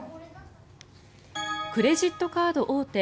クレジットカード大手